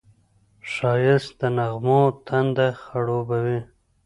ښایست د نغمو تنده خړوبوي